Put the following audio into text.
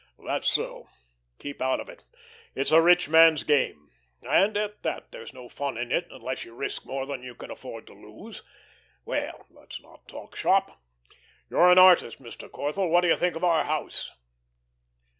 "That's so. Keep out of it. It's a rich man's game. And at that, there's no fun in it unless you risk more than you can afford to lose. Well, let's not talk shop. You're an artist, Mr. Corthell. What do you think of our house?"